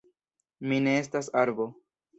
Mi ne estas arbo.